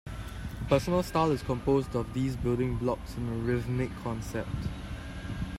A personal style is composed of these building blocks and a rhythmic concept.